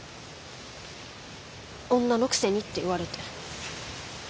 女のくせにって言われて。